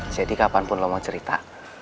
jadi kapanpun lo mau cerita